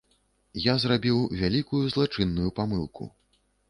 Я зрабіў вялікую злачынную памылку.